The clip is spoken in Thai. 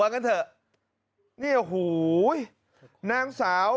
ระเบียง